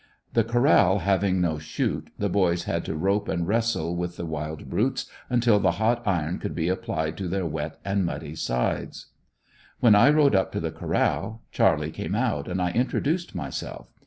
The corral having no "chute" the boys had to rope and wrestle with the wild brutes until the hot iron could be applied to their wet and muddy sides. When I rode up to the corral, Charlie came out, and I introduced myself.